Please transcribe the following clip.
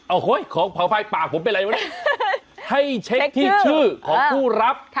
โอ้โหยขอพาวภายปากผมเป็นไรวะเนี่ยให้เช็คที่ชื่อของผู้รับ